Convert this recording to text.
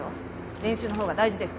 練習のほうが大事ですか？